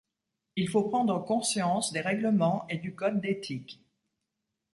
Il faut prendre conscience des règlements et du code d'éthiques.